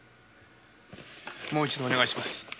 もう一度お願いします。